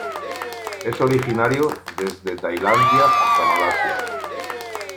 Es originario desde Tailandia hasta Malasia.